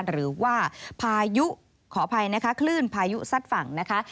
หรือว่าพายุขออภัยนะคะคลื่นพายุซัดฝั่งนะคะ